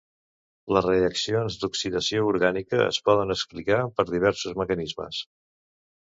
Les reaccions d'oxidació orgànica es poden explicar per diversos mecanismes.